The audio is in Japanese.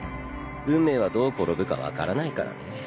運命はどう転ぶか分からないからね。